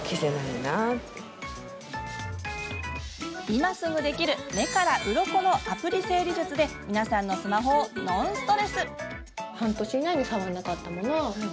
今すぐできる目からうろこのアプリ整理術で皆さんのスマホをノンストレス！